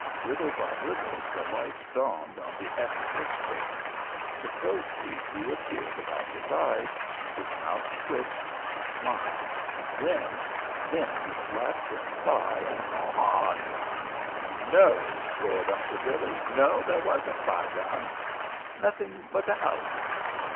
Little by little the light dawned on the ex horse trader. The crow's feet reappeared about his eyes, his mouth twitched, he smiled, he grinned, then he slapped his thigh and haw hawed. "No!" roared Uncle Billy. "No, there wasn't, by gum!" "Nothing but the house?"